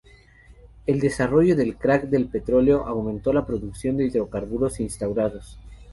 El desarrollo del crack del petróleo aumentó la producción hidrocarburos insaturados.